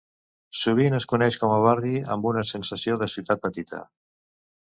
Sovint es coneix com a barri amb una "sensació de ciutat petita"